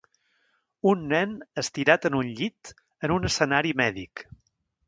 Un nen estirat en un llit en un escenari mèdic.